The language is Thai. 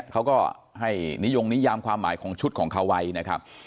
เขาก็ให้นิยมความหมายของชุดของคาวัยนะครับ